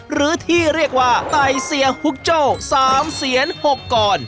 หรือที่เรียกว่าไต่เซียฮุกโจ้๓เสียน๖กร